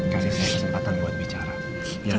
kasih saya kesempatan buat bicara